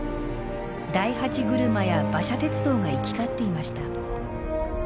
大八車や馬車鉄道が行き交っていました。